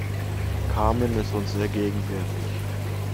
Carmen ist uns sehr gegenwärtig.